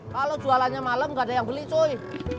kalau jualannya malem gak ada yang beli cuy